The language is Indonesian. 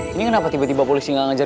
boy kamu itu dimana sih